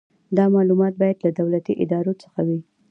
دا معلومات باید له دولتي ادارو څخه وي.